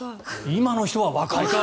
今の人は若い！